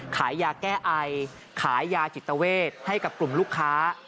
ขายยาแก้ไอขายยาจิตเวทให้กับกลุ่มลูกค้า